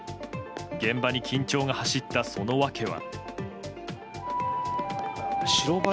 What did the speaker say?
現場に緊張が走ったその訳は。